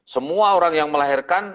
semua orang yang melahirkan